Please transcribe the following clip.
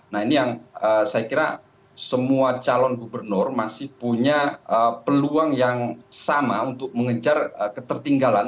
nah ini yang saya kira semua calon gubernur masih punya peluang yang sama untuk mengejar ketertinggalan